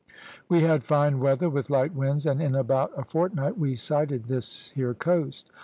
"We had fine weather, with light winds, and in about a fortnight we sighted this here coast.